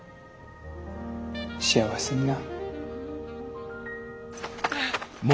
幸せにな。